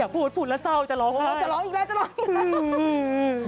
อย่าพูดพูดแล้วเศร้าจะร้องไห้จะร้องอีกแล้วจะร้องอีกแล้ว